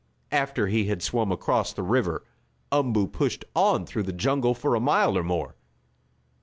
After he had swum across the river Umboo pushed on through the jungle for a mile or more.